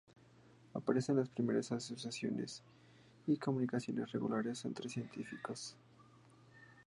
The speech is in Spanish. Aparecen las primeras asociaciones y comunicaciones regulares entre científicos.